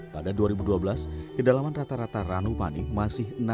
pada dua ribu dua belas kedalaman rata rata ranu panik masih enam